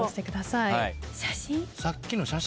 さっきの写真や。